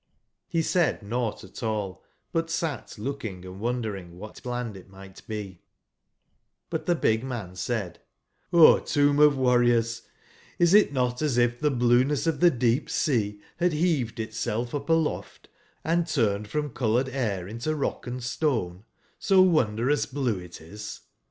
He said nougbt at all, but sat looking and wondering wbat land it migbt be; but tbe big man said :*' O tomb of warriors, is it not as if tbe blueness of tbe deep sea bad beaved itself |up alof t,and turned from coloured air into rock and istone, so wondrous blue it is?